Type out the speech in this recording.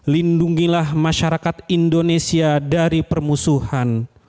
lindungilah masyarakat indonesia dari permusuhan